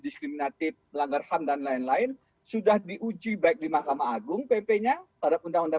diskriminatif melanggar ham dan lain lain sudah diuji baik di mahkamah agung pp nya pada undang undang